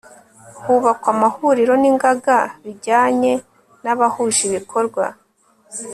hubakwa amahuriro n'ingaga bijyanye n'abahuje ibikorwa